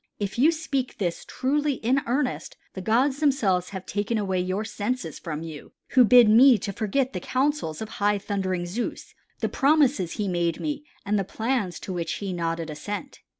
If you speak this truly in earnest, the gods themselves have taken away your senses from you who bid me to forget the counsels of high thundering Zeus, the promises he made me and the plans to which he nodded assent.